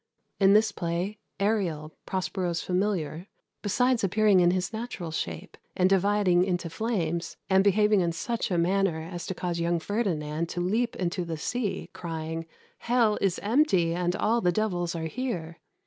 In this play, Ariel, Prospero's familiar, besides appearing in his natural shape, and dividing into flames, and behaving in such a manner as to cause young Ferdinand to leap into the sea, crying, "Hell is empty, and all the devils are here!"